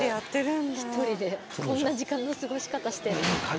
１人でこんな時間の過ごし方してんの。